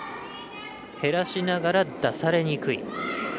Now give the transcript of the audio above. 減らしながら出されにくい。